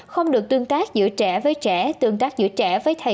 không được tương tác giữa trẻ với trẻ